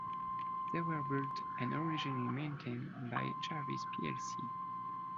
They were built and originally maintained by Jarvis plc.